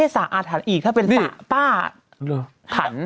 สระอาถรรพ์อีกถ้าเป็นสระป้าถัน